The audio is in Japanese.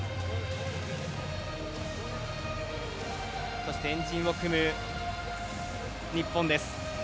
そして、円陣を組む日本です。